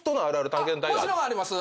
もちろんあります。